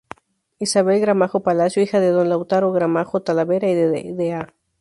Isabel Gramajo Palacio, hija de Don Lautaro Gramajo Talavera y de Da.